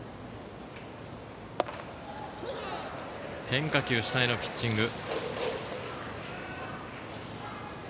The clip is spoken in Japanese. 変化球主体のピッチング。